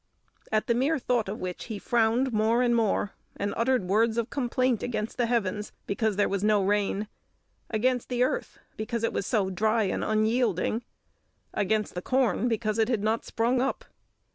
At the mere thought of which he frowned more and more, and uttered words of complaint against the heavens, because there was no rain; against the earth, because it was so dry and unyielding; against the corn, because it had not sprung up.